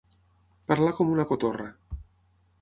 Parlar com una cotorra.